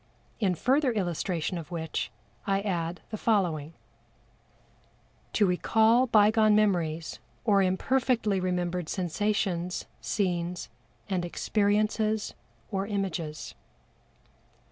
In further illustration of which I add the following: To recall bygone memories or imperfectly remembered sensations, scenes and experiences or images.